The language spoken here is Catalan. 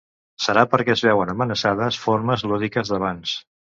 Serà per què es veuen amenaçades formes lúdiques d’abans?